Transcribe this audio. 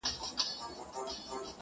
د پردیو ملایانو له آذانه یمه ستړی!.